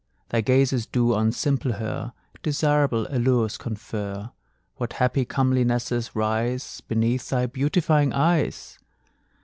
Thy gazes do on simple her Desirable allures confer; What happy comelinesses rise Beneath thy beautifying eyes!